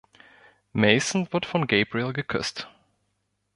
Mason wird von Gabriel geküsst.